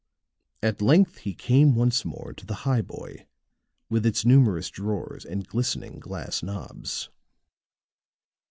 At length he came once more to the highboy with its numerous drawers and glistening glass knobs.